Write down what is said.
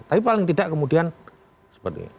tapi paling tidak kemudian seperti ini